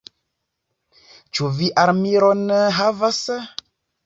Ĉu vi armilon havas?